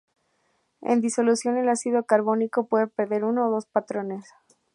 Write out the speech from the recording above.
En disolución, el ácido carbónico puede perder uno o dos protones.